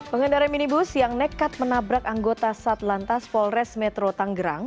pengendara minibus yang nekat menabrak anggota satlantas polres metro tanggerang